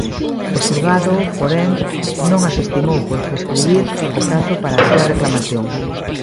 O Xulgado, porén, non as estimou, por prescribir o prazo para a súa reclamación.